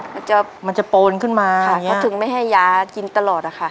มันจะมันจะโปนขึ้นมาค่ะเขาถึงไม่ให้ยากินตลอดอะค่ะ